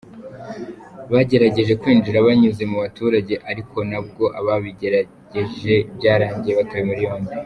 Bagerageje kwinjira banyuze mu baturage ariko nabwo ababigerageje byarangiye batawe muri yombi.